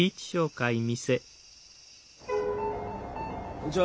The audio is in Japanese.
こんにちは。